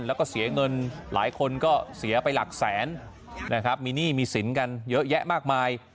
แล้วก็เสียเงินหลายคนก็เสียไปหลักแสนนะครับมีหนี้มีสินกันเยอะแยะมากมาย